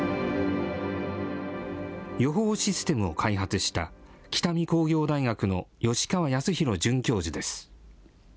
予報システムを開発した、北見工業大学の吉川泰弘准教授です。